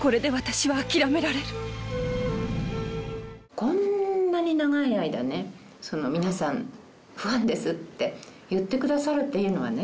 こんなに長い間ね皆さん「ファンです」って言ってくださるっていうのはね